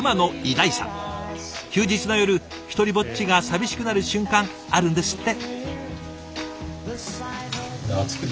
休日の夜独りぼっちが寂しくなる瞬間あるんですって。